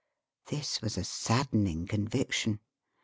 This was a saddening conviction.